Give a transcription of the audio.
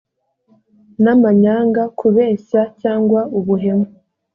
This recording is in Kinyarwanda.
n amanyanga kubeshya cyangwa ubuhemu